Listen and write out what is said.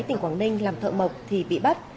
tỉnh quảng ninh làm thợ mộc thì bị bắt